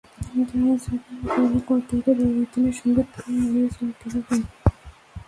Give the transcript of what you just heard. তাই ঝুঁকি মোকাবিলা করতে হলে পরিবর্তনের সঙ্গে তাল মিলিয়ে চলতে হবে।